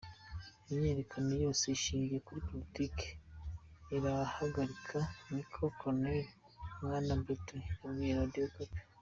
Imyiyerekano yose ishingiye kuri politike "irahagarikwa", niko Colonel Mwana Mputu yabwiye Radio Okapi.